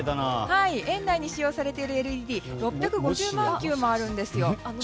園内に使用されているＬＥＤは６５０万球もあるんですよ。